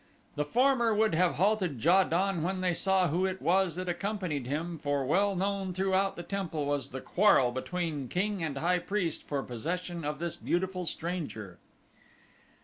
The former would have halted Ja don when they saw who it was that accompanied him for well known throughout the temple was the quarrel between king and high priest for possession of this beautiful stranger.